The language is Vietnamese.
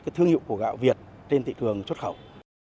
cái thương hiệu của gạo việt trên thị trường xuất khẩu